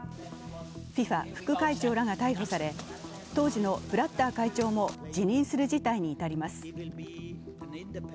ＦＩＦＡ副会長らが逮捕され当時のブラッター会長も辞任する事態に至ります。